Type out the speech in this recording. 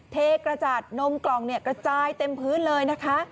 เทกระจัดนมกล่องเนี่ยกระจายเต็มพื้นเลยนะคะ